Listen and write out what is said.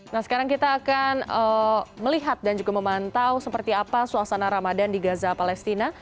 nah sekarang kita akan melihat dan juga memantau seperti apa suasana ramadan di gaza palestina